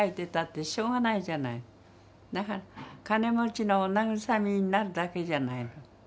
だから金持ちのお慰みになるだけじゃないの。